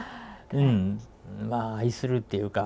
うんまあ愛するっていうか。